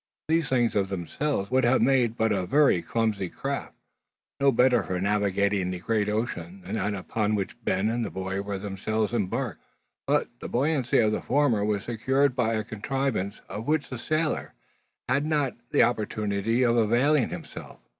These things, of themselves, would have made but a very clumsy craft, no better for navigating the great ocean than that upon which Ben and the boy were themselves embarked. But the buoyancy of the former was secured by a contrivance of which the sailor had not had the opportunity of availing himself.